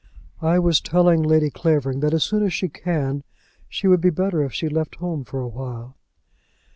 "I was telling Lady Clavering that as soon as she can, she would be better if she left home for awhile."